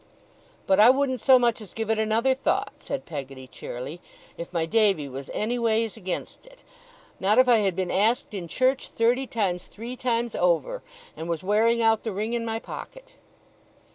'But I wouldn't so much as give it another thought,' said Peggotty, cheerily 'if my Davy was anyways against it not if I had been asked in church thirty times three times over, and was wearing out the ring in my pocket.